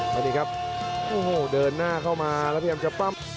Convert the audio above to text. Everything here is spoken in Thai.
ตอนนี้ครับโอ้โหเดินหน้าเข้ามาแล้วพยายามจะปั๊บ